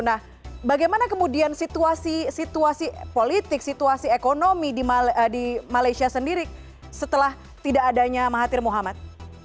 nah bagaimana kemudian situasi situasi politik situasi ekonomi di malaysia sendiri setelah tidak adanya mahathir muhammad